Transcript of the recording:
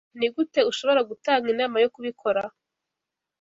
Nigute ushobora gutanga inama yo kubikora?